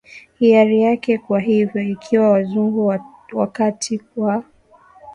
hiari yake Kwa hivyo ikiwa Wazungu wakati wa